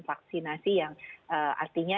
vaksinasi yang artinya